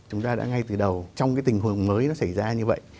chúng ta đã ngay từ đầu trong cái tình huống mới nó xảy ra như vậy